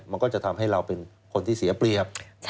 มันก็จะทำให้เราเป็นคนที่เสียเปรียบ